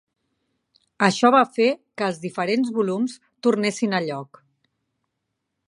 Això va fer que els diferents volums tornessin a lloc.